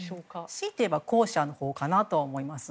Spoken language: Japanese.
しいて言えば後者のほうかなとは思います。